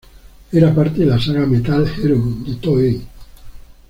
Era parte de la saga Metal Hero de Toei.